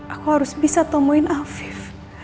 aku harus bisa temuin afif